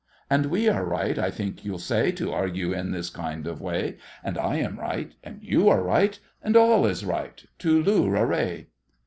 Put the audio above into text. And we are right, I think you'll say, To argue in this kind of way; And I am right, And you are right, And all is right—too looral lay!